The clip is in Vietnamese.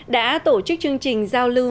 đã tổ chức chương trình giao lưu